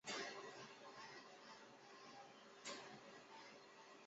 当地有三所中学。